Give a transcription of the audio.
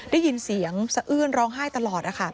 ได้ยินเสียงสะอื้นร้องไห้ตลอด